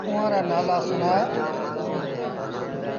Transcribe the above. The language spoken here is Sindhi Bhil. اُئآݩ رآ نآلآ سُڻآ ۔